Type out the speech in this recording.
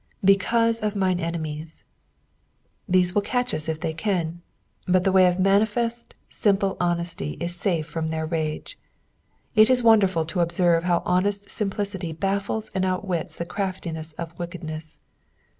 ^^ Beonvae of mitie memiet." These will catch us if they can, but the way of manifest, simplo honesty is safe from their rage. It is wonderful to observe how honest simplictty baffles and outwits the craftiness of wickedness.